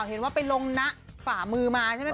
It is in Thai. เห็นว่าไปลงนะฝ่ามือมาใช่ไหม